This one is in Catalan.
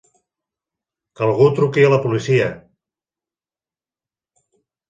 Que algú truqui a la policia!